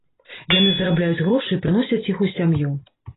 Яны зарабляюць грошы і прыносяць іх у сям'ю.